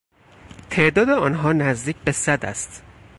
تعداد آنها نزدیک به صد است.